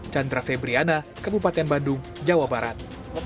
chandra febriana kabupaten bandung jawa barat